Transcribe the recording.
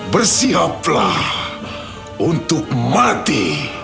bersiaplah untuk mati